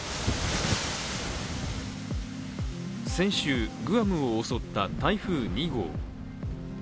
先週、グアムを襲った台風２号。